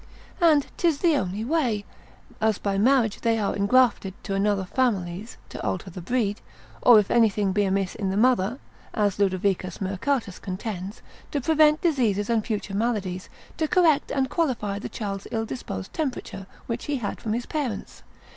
And 'tis the only way; as by marriage they are engrafted to other families to alter the breed, or if anything be amiss in the mother, as Ludovicus Mercatus contends, Tom. 2. lib. de morb. haered. to prevent diseases and future maladies, to correct and qualify the child's ill disposed temperature, which he had from his parents.